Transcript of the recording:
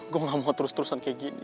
gue gak mau terus terusan kayak gini